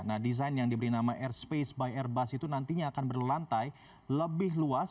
nah desain yang diberi nama airspace by airbus itu nantinya akan berlantai lebih luas